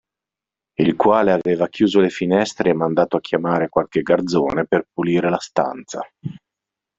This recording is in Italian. Il quale aveva chiuso le finestre e mandato a chiamare qualche garzone per pulire la stanza.